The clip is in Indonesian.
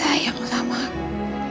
semuanya sayang sama aku